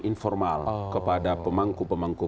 informal kepada pemangku pemangku